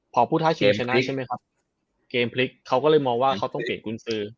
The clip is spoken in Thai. พอผู้ท้าเชียงชนะใช่ไหมครับเกมพลิกเขาก็เลยมองว่าเขาต้องเปลี่ยนกุญสือ